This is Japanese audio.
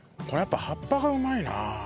これやっぱり葉っぱがうまいな。